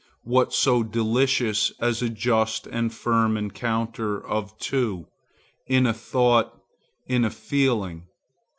What so delicious as a just and firm encounter of two, in a thought, in a feeling?